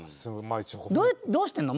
どうしてるの？